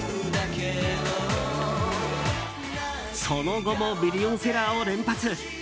その後もミリオンセラーを連発。